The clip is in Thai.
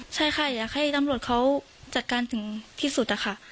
ใช่ค่ะอยากให้ตำรวจเขาจัดการถึงที่สุดนะคะ